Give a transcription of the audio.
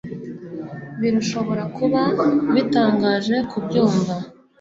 Birashobora kuba bitangaje kubyumva